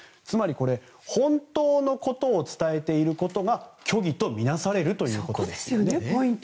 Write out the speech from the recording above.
つまり本当のことを伝えていることが虚偽とみなされるということですね。